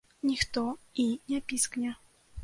Ніхто і не піскне.